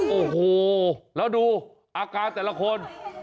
โอ้โหแล้วดูอาการแต่ละคน